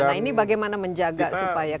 nah ini bagaimana menjaga supaya